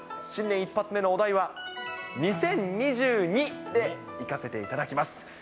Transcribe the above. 新年一発目のお題は、２０２２で、いかせていただきます。